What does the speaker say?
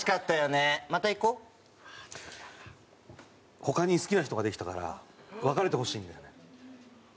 他に好きな人ができたから別れてほしいんだよね。